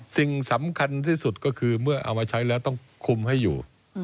สิ่งสำคัญที่สุดก็คือเมื่อเอามาใช้แล้วต้องคุมให้อยู่